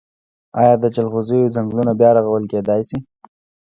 آیا د جلغوزیو ځنګلونه بیا رغول کیدی شي؟